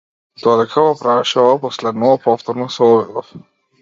Додека го правеше ова последново, повторно се обидов.